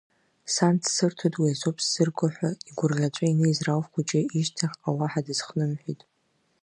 Сан дсырҭоит уи азоуп сзырго ҳәа игәырӷьаҵәа инеиз Рауф хәыҷы, ишьҭахьҟа уаҳа дызхнымҳәит.